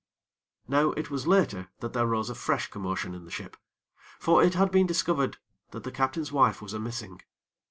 Now it was later that there rose a fresh commotion in the ship; for it had been discovered that the captain's wife was a missing.